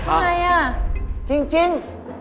อะไรอ่ะจริง